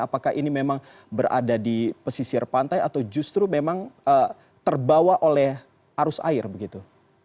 apakah ini memang berada di pesisir pantai atau justru memang terbawa oleh arus air begitu